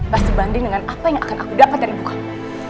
pasti banding dengan apa yang akan aku dapat dari ibu kamu